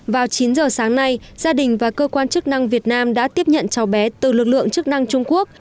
vào chín giờ sáng nay gia đình và cơ quan chức năng việt nam đã tiếp nhận cháu bé từ lực lượng chức năng trung quốc